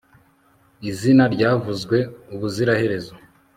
Izina ryavuzwe ubuziraherezo